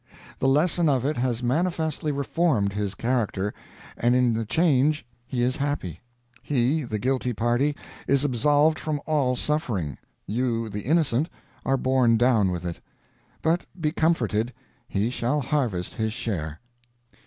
The lesson of it has manifestly reformed his character, and in the change he is happy. He, the guilty party, is absolved from all suffering; you, the innocent, are borne down with it. But be comforted he shall harvest his share.